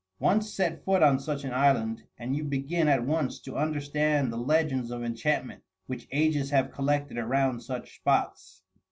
Once set foot on such an island and you begin at once to understand the legends of enchantment which ages have collected around such spots.